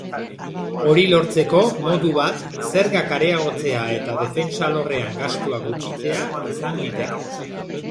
Hori lortzeko modu bat zergak areagotzea eta defentsa alorrean gastuak gutxitzea izan liteke.